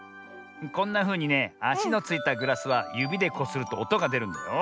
こんなふうにねあしのついたグラスはゆびでこするとおとがでるんだよ。